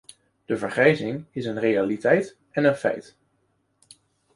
De vergrijzing is een realiteit en een feit.